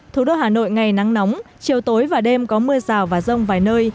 thủ đô hà nội ngày nắng nóng chiều tối và đêm có mưa rào và rông vài nơi